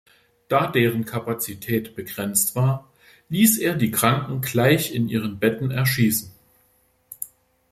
Da deren Kapazität begrenzt war, ließ er die Kranken gleich in ihren Betten erschießen.